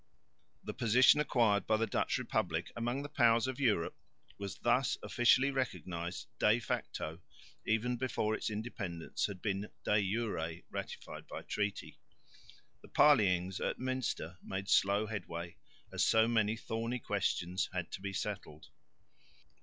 The position acquired by the Dutch republic among the powers of Europe was thus officially recognised de facto even before its independence had been de jure ratified by treaty. The parleyings at Münster made slow headway, as so many thorny questions had to be settled.